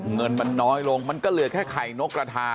เงินมันน้อยลงมันก็เหลือแค่ไข่นกกระทา